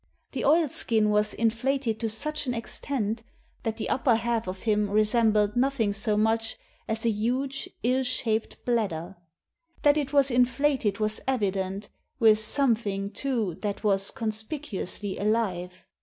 The oilskin was inflated to such an extent that the upper half of him resembled nothing so much as a huge ill shaped bladder. That it was inflated was evident, with something, too, that was conspicuously alive.